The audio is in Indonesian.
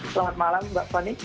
selamat malam mbak fani